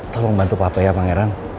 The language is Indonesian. tolong bantu papa ya pangeran